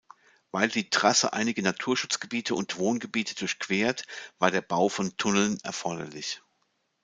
Weil die Trasse einige Naturschutzgebiete und Wohngebiete durchquert, war der Bau von Tunneln erforderlich.